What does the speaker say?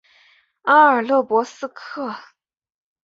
阿尔勒博斯克。